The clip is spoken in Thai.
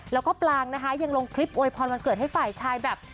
แล้วก็ปลางนะคะยังลงคลิปโวยพรวันเกิดให้ฝ่ายชายแบบ